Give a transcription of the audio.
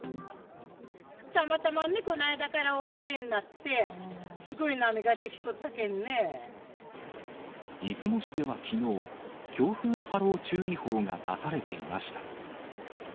たまたまね、この間から大荒れになって、出雲市ではきのう、強風波浪注意報が出されていました。